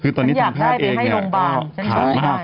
คือตอนนี้ทั้งแพทย์เองก็ค้ามาก